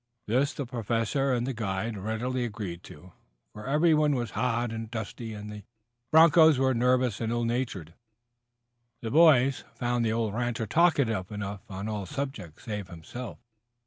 This the Professor and the guide readily agreed to, for everyone was hot and dusty and the bronchos were nervous and ill natured. The boys found the old rancher talkative enough on all subjects save himself.